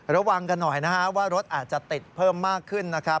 ระวังกันหน่อยนะฮะว่ารถอาจจะติดเพิ่มมากขึ้นนะครับ